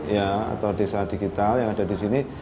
ya atau desa digital yang ada di sini